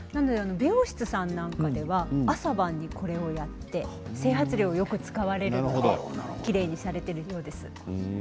美容室なんかは朝晩にこれをやって整髪料をよく使われますのできれいにされていると思います。